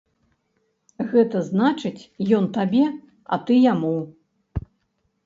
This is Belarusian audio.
Гэта значыць, ён табе, а ты яму.